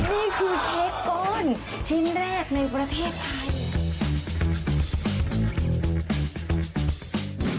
นี่คือเค้กก้อนชิ้นแรกในประเทศไทย